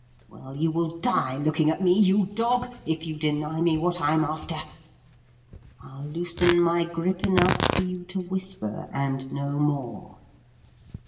Well, you will die looking at me, you dog, if you deny me what I'm after. I'll loosen my grip enough for you to whisper, and no more.